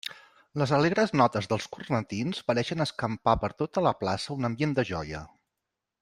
Les alegres notes dels cornetins pareixien escampar per tota la plaça un ambient de joia.